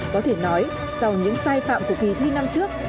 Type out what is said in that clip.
có thể nói sau những sai phạm của kỳ thi năm trước